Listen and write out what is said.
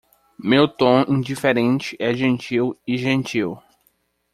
Meu tom indiferente é gentil e gentil.